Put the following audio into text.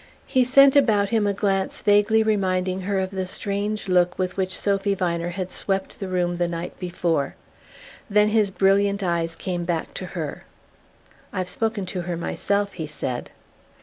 He sent about him a glance vaguely reminding her of the strange look with which Sophy Viner had swept the room the night before; then his brilliant eyes came back to her. "I've spoken to her myself," he said.